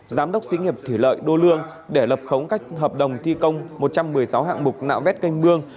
giám đốc xí nghiệp thủy lợi đô lương để lập khống các hợp đồng thi công một trăm một mươi sáu hạng mục nạo vét canh mương